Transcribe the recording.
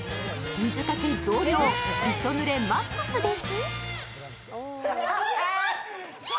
水かけ増量びしょぬれマックスです。